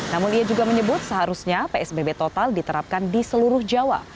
namun ia juga menyebut seharusnya psbb total diterapkan di seluruh jawa